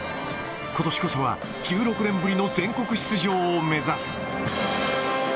ことしこそは、１６年ぶりの全国出場を目指す。